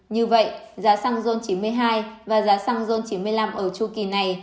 như vậy giá xăng zon chín mươi hai và giá xăng zon chín mươi năm ở chu kỳ này